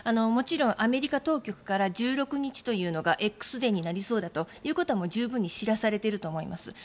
もちろんアメリカ当局から１６日というのがＸデーになりそうだということは十分に知らされていると思います。